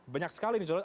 banyak sekali ini